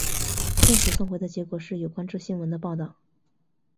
现时送回的结果是有关这新闻的报道。